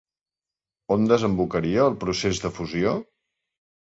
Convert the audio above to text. On desembocaria el procés de fusió?